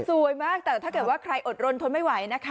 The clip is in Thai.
สวยมากแต่ถ้าเกิดว่าใครอดรนทนไม่ไหวนะคะ